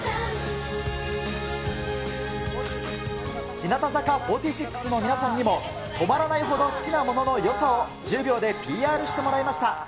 日向坂４６の皆さんにも、止まらないほど好きなもののよさを１０秒でＰＲしてもらいました。